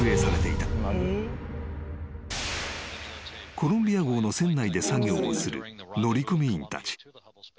［コロンビア号の船内で作業をする乗組員たち］